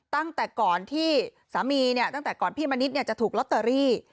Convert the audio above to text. ตั้งแต่ก่อนที่สามีเนี่ยตั้งแต่ก่อนพี่มณิษฐ์จะถูกลอตเตอรี่